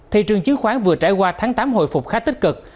thị trường chứng khoán vừa trải qua tháng tám hồi phục khá tích cực